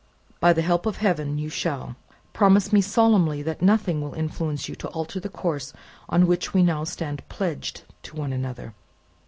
"By the help of Heaven you shall! Promise me solemnly that nothing will influence you to alter the course on which we now stand pledged to one another."